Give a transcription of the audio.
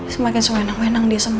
semakin sewenang wenang dia sama gue